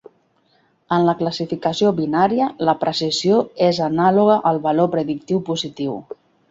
En la classificació binària, la precisió és anàloga al valor predictiu positiu.